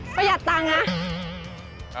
ประหยัดตังค์นะ